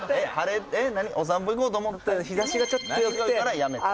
お散歩行こうと思ったら日差しがちょっと強くてああ